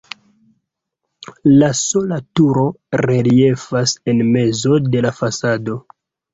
La sola turo reliefas en mezo de la fasado.